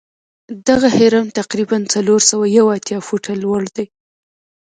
دغه هرم تقریبآ څلور سوه یو اتیا فوټه لوړ دی.